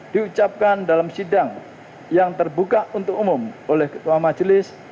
diucapkan dalam sidang yang terbuka untuk umum oleh ketua majelis